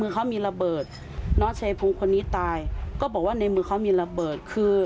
ก็บอกว่าในมือเขามีระเบิด